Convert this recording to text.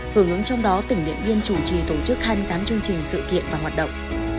hưởng ứng trong đó tỉnh điện biên chủ trì tổ chức hai mươi tám chương trình sự kiện và hoạt động